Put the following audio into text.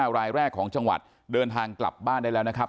รายแรกของจังหวัดเดินทางกลับบ้านได้แล้วนะครับ